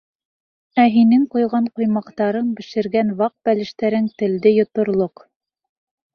Ә һинең ҡойған ҡоймаҡтарың, бешергән ваҡ бәлештәрең телде йоторлоҡ.